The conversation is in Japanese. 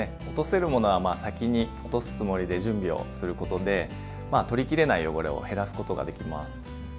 落とせるものは先に落とすつもりで準備をすることでまあ取りきれない汚れを減らすことができます。